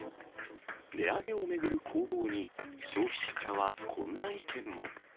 値上げを巡る攻防に、消費者からはこんな意見も。